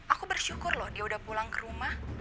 aku bersyukur loh dia udah pulang ke rumah